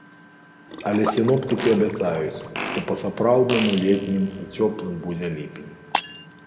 Але сіноптыкі абяцаюць, што па-сапраўднаму летнім і цёплым будзе ліпень.